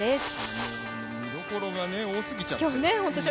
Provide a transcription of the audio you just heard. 見どころが多過ぎちゃってね。